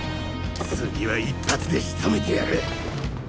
次は１発で仕留めてやる。